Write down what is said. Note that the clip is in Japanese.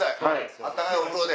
温かいお風呂で。